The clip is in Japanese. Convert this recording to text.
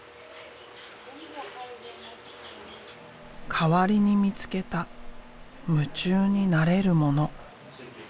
代わりに見つけた夢中になれるもの。